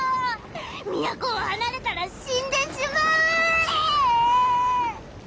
都を離れたら死んでしまう！